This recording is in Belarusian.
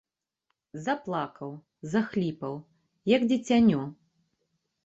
Заплакаў, захліпаў, як дзіцянё.